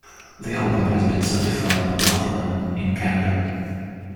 The album has been certified platinum in Canada.